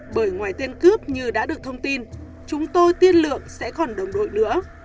bởi ngoài tên cướp như đã được thông tin chúng tôi tiên lượng sẽ còn đồng đội nữa